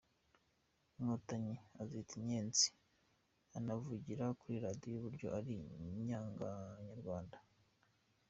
Inkontanyi azita “Inyenzi”anavugira kuri radio uburyo ari inyanganyarwanda.